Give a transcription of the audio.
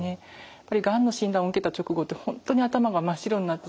やはりがんの診断を受けた直後って本当に頭が真っ白になってしまう。